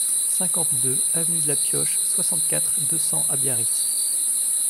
cinquante-deux avenue de la Pioche, soixante-quatre, deux cents à Biarritz